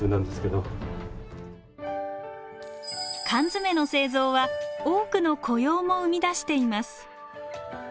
缶詰の製造は多くの雇用も生み出しています。